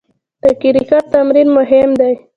د کرکټ تمرین مهم دئ.